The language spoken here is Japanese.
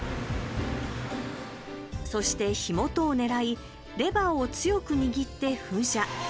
そして火元を狙いレバーを強く握って噴射。